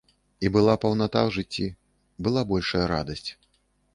І была паўната ў жыцці, была большая радасць.